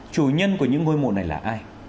chủ nhân của những ngôi mộ này là ai